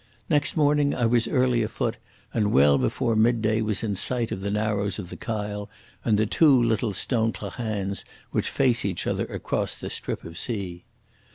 Next morning I was early afoot, and well before midday was in sight of the narrows of the Kyle, and the two little stone clachans which face each other across the strip of sea.